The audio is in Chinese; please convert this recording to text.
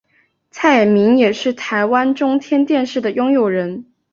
蔡衍明也是台湾中天电视的拥有人。